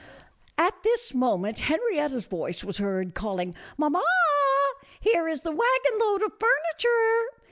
At this moment Henrietta's voice was heard call ing " Mamma, here is the wagon load of furniture."